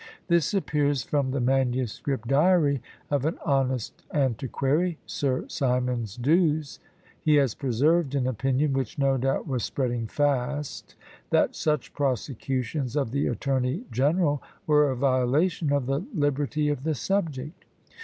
This appears from the manuscript diary of an honest antiquary, Sir Symonds D'Ewes; he has preserved an opinion which, no doubt, was spreading fast, that such prosecutions of the Attorney General were a violation of the liberty of the subject.